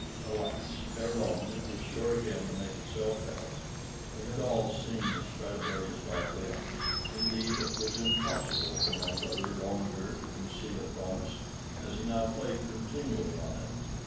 Alas! ere long it was sure again to make itself felt. We had all seen the Stradivarius violin; indeed it was impossible for my brother longer to conceal it from us, as he now played continually on it.